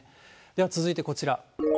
では続いてこちら。